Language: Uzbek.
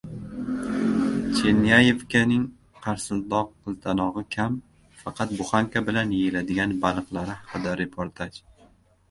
“Chernyayevka”ning qаrsildoq, qiltanog‘i kam, faqat buxanka bilan yeyiladigan baliqlari haqida reportaj